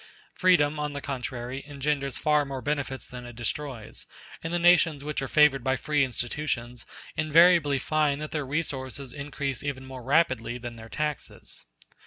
Freedom, on the contrary, engenders far more benefits than it destroys; and the nations which are favored by free institutions invariably find that their resources increase even more rapidly than their taxes.